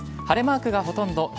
晴れマークがほとんど。